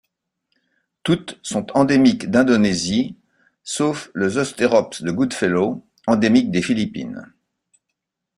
Toutes sont endémiques d'Indonésie, sauf le Zostérops de Goodfellow, endémique des Philippines.